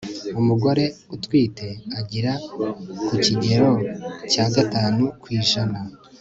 umugore utwite agira ku kigero cya gatanu kw'ijana